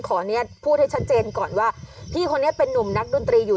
ขออนุญาตพูดให้ชัดเจนก่อนว่าพี่คนนี้เป็นนุ่มนักดนตรีอยู่